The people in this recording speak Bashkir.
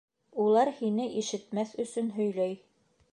Улар һине ишетмәҫ өсөн һөйләй.